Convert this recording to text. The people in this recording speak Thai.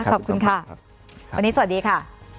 ขอบคุณค่ะวันนี้สวัสดีค่ะ